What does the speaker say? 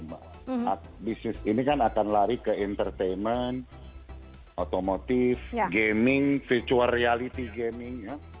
nah bisnis ini kan akan lari ke entertainment otomotif gaming virtual reality gaming ya